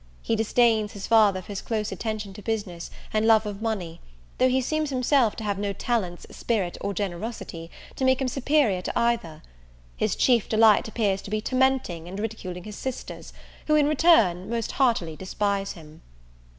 He disdains his father for his close attention to business, and love of money; though he seems himself to have no talents, spirit, or generosity, to make him superior to either. His chief delight appears to be tormenting and ridiculing his sisters; who, in return, most heartily despise him.